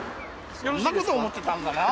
そんなこと思ってたんだなあ